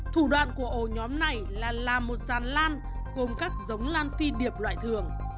thủ đoàn của ổ nhóm này là làm một dàn lan gồm các giống lan phi điệp loại thường